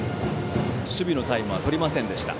守備のタイムはとりませんでした。